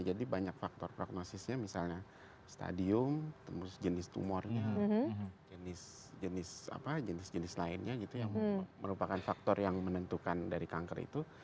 jadi banyak faktor prognosisnya misalnya stadium jenis tumornya jenis lainnya gitu yang merupakan faktor yang menentukan dari kanker itu